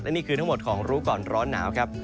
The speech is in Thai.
นี่คือทั้งหมดของรู้ก่อนร้อนหนาวครับ